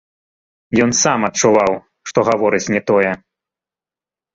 Ён сам адчуваў, што гаворыць не тое.